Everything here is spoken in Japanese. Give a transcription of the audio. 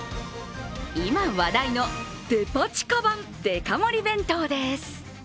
今、話題のデパ地下版デカ盛り弁当です。